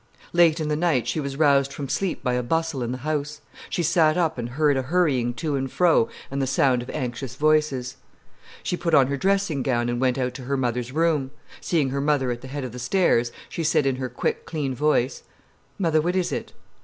_ Late in the night she was roused from sleep by a bustle in the house. She sat up and heard a hurrying to and fro and the sound of anxious voices. She put on her dressing gown and went out to her mother's room. Seeing her mother at the head of the stairs, she said in her quick, clean voice: "Mother, what it it?"